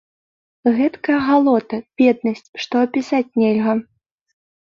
Гэткая галота, беднасць, што апісаць нельга!